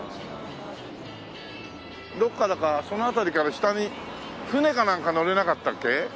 どこからかその辺りから下に船かなんか乗れなかったっけ？